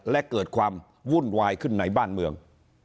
และเกิดความวุ่นวายขึ้นในบ้านเมือง